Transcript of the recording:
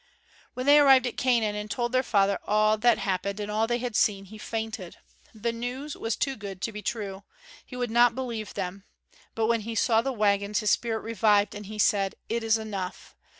And when they arrived at Canaan, and told their father all that had happened and all that they had seen, he fainted. The news was too good to be true; he would not believe them. But when he saw the wagons his spirit revived, and he said, "It is enough.